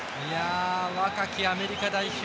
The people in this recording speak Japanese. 若きアメリカ代表。